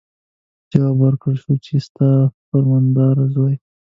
جواب ورکړل شو چې ستا فرمانبردار زوی.